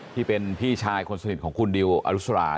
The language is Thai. ที่เป็นพี่ชายคนสนิทของคุณดิวอรุสรา